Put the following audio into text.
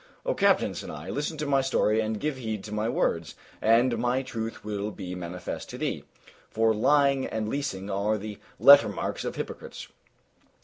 "O captain," said I, "listen to my story and give heed to my words, and my truth will be manifest to thee; for lying and leasing are the letter marks of the hypocrites."